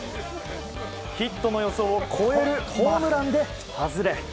ヒットの予想を超えるホームランで外れ。